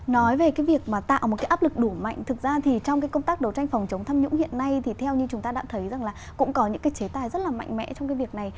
nói về cái việc mà tạo một cái áp lực đủ mạnh thực ra thì trong cái công tác đấu tranh phòng chống tham nhũng hiện nay thì theo như chúng ta đã thấy rằng là cũng có những cái chế tài rất là mạnh mẽ trong cái việc này